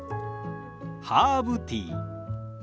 ハーブティー。